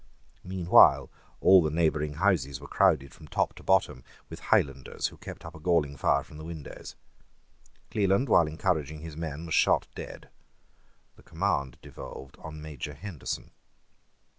Meanwhile all the neighbouring houses were crowded from top to bottom with Highlanders, who kept up a galling fire from the windows. Cleland, while encouraging his men, was shot dead. The command devolved on Major Henderson.